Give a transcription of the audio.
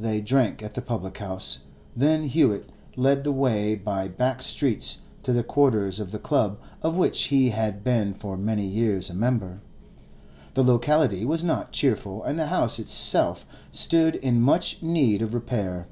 They drank at the public house, then Hewett led the way by back streets to the quarters of the club of which he had been for many years a member. The locality was not cheerful, and the house itself stood in much need of repair.